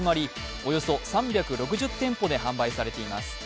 およそ３６０店舗で販売されています。